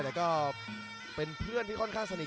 แล้วก็เป็นเพื่อนที่ค่อนข้างสนิท